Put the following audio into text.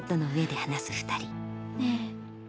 ねえ。